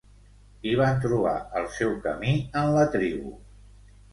I van trobar el seu camí en la tribu.